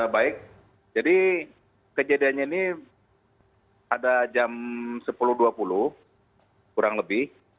baik jadi kejadiannya ini ada jam sepuluh dua puluh kurang lebih